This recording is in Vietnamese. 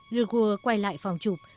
de waal quay lại phòng chụp